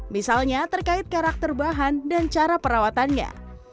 misalnya terkait karakter bahan dan cara perawatannya